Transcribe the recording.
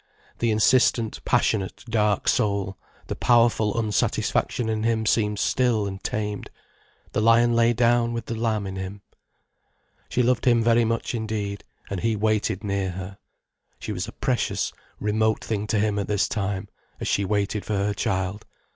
The insistent, passionate, dark soul, the powerful unsatisfaction in him seemed stilled and tamed, the lion lay down with the lamb in him. She loved him very much indeed, and he waited near her. She was a precious, remote thing to him at this time, as she waited for her child.